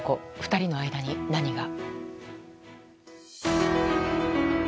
２人の間に、何が。